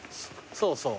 そうそう。